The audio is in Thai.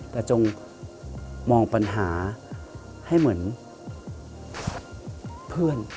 แต่จงมองปัญหาให้เหมือนเพื่อน